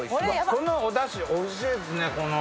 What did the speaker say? このおだし、おいしいですね。